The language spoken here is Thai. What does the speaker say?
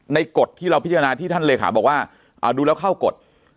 กฎที่เราพิจารณาที่ท่านเลขาบอกว่าดูแล้วเข้ากฎ